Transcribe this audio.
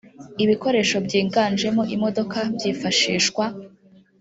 ibikoresho byiganjemo imodoka byifashishwa